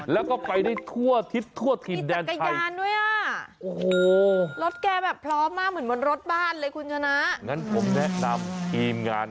ให้แกด้วยใช่ตลอดรับมีดคุณรู้ไหมตั้งได้ที่หนูเอ่อ